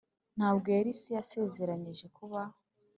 ntabwo yari se yasezeranije kuba.